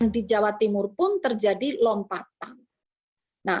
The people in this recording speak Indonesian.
di jawa timur pun terjadi lompatan